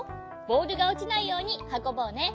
ボールがおちないようにはこぼうね。